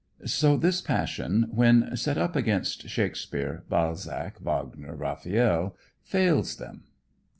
So this passion, when set up against Shakespeare, Balzac, Wagner, Raphael, fails them.